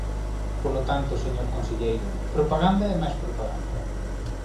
Polo tanto, señor conselleiro, propaganda e máis propaganda.